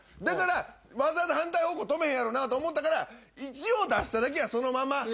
だからわざわざ反対方向止めへんやろなと思ったから一応出しただけやそのまま。